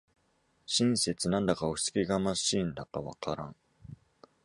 親切なんだか押しつけがましいんだかわからん